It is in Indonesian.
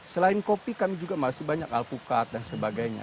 selain kopi kami juga masih banyak alpukat dan sebagainya